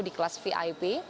di kelas vip